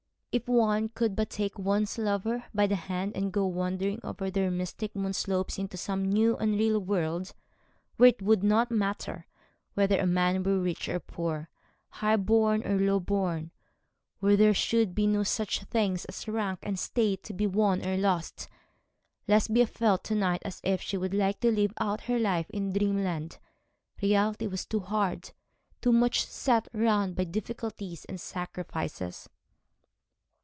If one could but take one's lover by the hand and go wandering over those mystic moonlit slopes into some new unreal world where it would not matter whether a man were rich or poor, high born or low born, where there should be no such things as rank and state to be won or lost! Lesbia felt to night as if she would like to live out her life in dreamland. Reality was too hard, too much set round by difficulties and sacrifices.